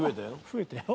増えたよ。